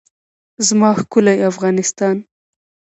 زما ښکلی افغانستان.